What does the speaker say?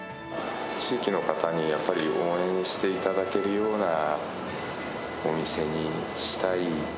地域の方にやっぱり、応援していただけるようなお店にしたい。